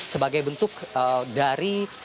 sebagai bentuk dari